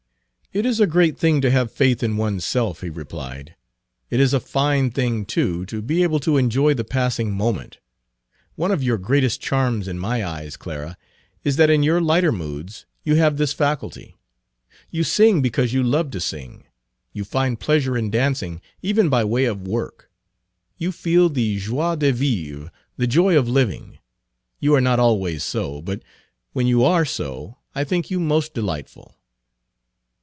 "It is a great thing to have faith in one's self," he replied. "It is a fine thing, too, to be able to enjoy the passing moment. One of your greatest charms in my eyes, Clara, is that in your lighter moods you have this faculty. You sing because you love to sing. You find pleasure in dancing, even by way of work. You feel the joi de vivre the joy of living. You are not always so, but when you are so I think you most delightful."